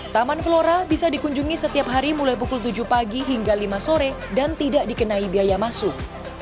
taman flora bisa dikunjungi setiap hari mulai pukul tujuh pagi hingga lima sore dan tidak dikenai biaya masuk